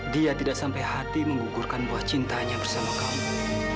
dia tidak sampai hati menggugurkan buah cintanya bersama kamu